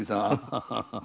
ハハハッ。